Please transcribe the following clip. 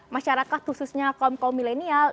masyarakat khususnya kaum kaum milenial